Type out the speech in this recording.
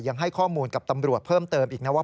ยังให้ข้อมูลกับตำรวจเพิ่มเติมอีกนะว่า